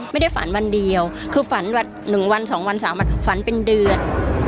ไม่ได้ฝันวันเดียวคือฝัน๑วัน๒วัน๓วันฝันเป็นเดือน